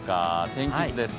天気図です。